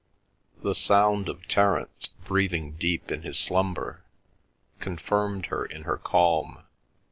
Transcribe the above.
The sound of Terence, breathing deep in his slumber, confirmed her in her calm.